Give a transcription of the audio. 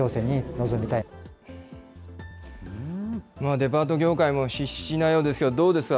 デパート業界も必死なようですけど、どうですか？